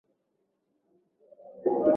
kufikia kesho tunafanya bidii sana